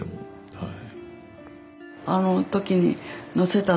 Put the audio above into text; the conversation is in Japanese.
はい。